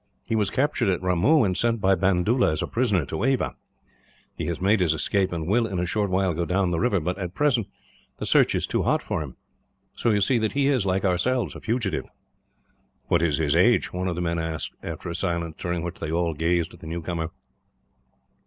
He was captured at Ramoo; and sent by Bandoola, as a prisoner, to Ava. He has made his escape and will, in a short time, go down the river; but at present the search is too hot for him. So you see that he is, like ourselves, a fugitive." "What is his age?" one of the men asked, after a silence, during which they all gazed at the newcomer.